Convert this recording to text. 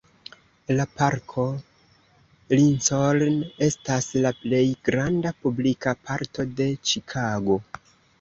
La Parko Lincoln estas la plej granda publika parko de Ĉikago.